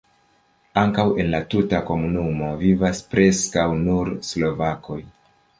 Ankaŭ en la tuta komunumo vivas preskaŭ nur slovakoj.